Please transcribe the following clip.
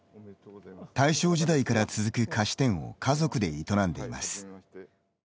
大正時代から続く菓子店を家族で営んでいます。